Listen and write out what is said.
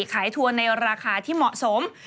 ทัวร์ในราคาที่เหมาะสม